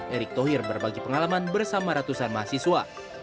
erick thohir berbagi pengalaman bersama ratusan mahasiswa